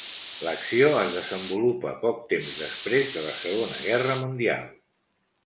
L'acció es desenvolupa poc temps després de la Segona Guerra mundial.